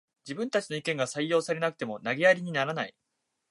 自分たちの意見が採用されなくても投げやりにならない